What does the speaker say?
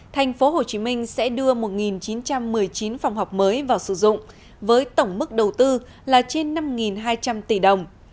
tp hcm sẽ đưa một chín trăm một mươi chín phòng học mới vào sử dụng với tổng mức đầu tư là trên năm hai trăm linh tỷ đồng